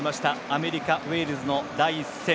アメリカ、ウェールズの第１戦。